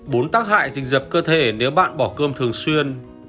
bốn tác hại dình dập cơ thể nếu bạn bỏ cơm thường xuyên